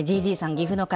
岐阜の方。